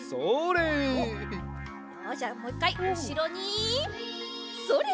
よしじゃあもういっかいうしろにそれ！